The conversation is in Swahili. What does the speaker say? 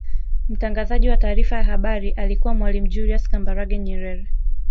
mtangazaji wa taarifa ya habari alikuwa mwalimu julius kambarage nyerere